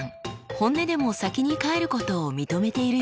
本音でも先に帰ることを認めているようです。